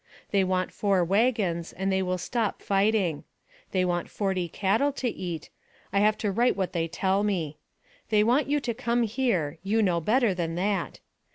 They want four wagons, and they will stop fighting. They want forty cattle to eat; I have to write what they tell me. They want you to come here you know better than that.